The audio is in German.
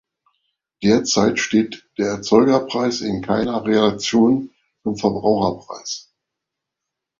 Derzeit steht der Erzeugerpreis in keiner Relation zum Verbraucherpreis.